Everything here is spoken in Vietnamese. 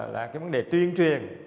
là cái vấn đề tuyên truyền